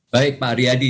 baik pak ariyadi